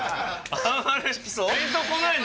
あんまり。